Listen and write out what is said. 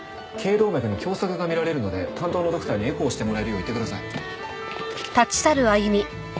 頸動脈に狭窄が見られるので担当のドクターにエコーしてもらえるよう言ってください。